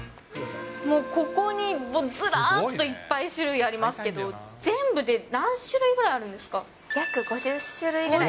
もうここにもう、ずらっといっぱい種類ありますけど、全部で何種類ぐらいあるんで約５０種類ぐらい。